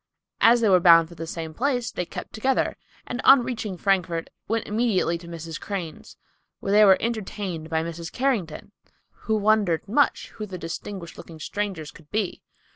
As they were bound for the same place, they kept together, and on reaching Frankfort, went immediately to Mrs. Crane's, where they were entertained by Mrs. Carrington, who wondered much who the distinguished looking strangers could be.